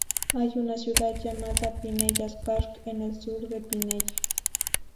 Hay una ciudad llamada Pinellas Park en el sur de Pinellas.